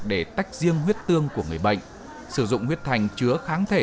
để tách riêng huyết tương của người bệnh sử dụng huyết thành chứa kháng thể